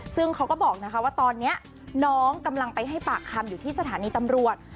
ซึ่งเขาก็บอกว่าตอนนี้น้องกำลังไปให้ปากคำอยู่ที่สถานีตำรวจ